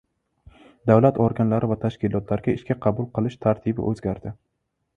Davlat organlari va tashkilotlariga ishga qabul qilish tartibi o‘zgardi